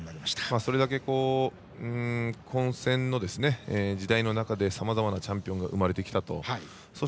それだけ混戦の時代の中でさまざまなチャンピオンが生まれてきたと。